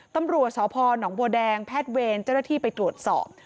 ตำรวจสพหนองบัวแดงแพทย์เวรเจ้าหน้าที่ไปตรวจสอบ